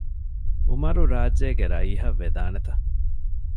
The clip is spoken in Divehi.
އުމަރު ރާއްޖޭގެ ރައީހަށް ވެދާނެތަ؟